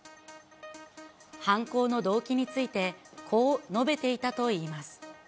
犯行の動機について、こう述べていたといいます。